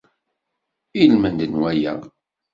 Ilmend n waya.